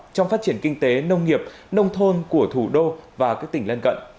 trong phát triển kinh tế nông nghiệp nông thôn của thủ đô và các tỉnh lân cận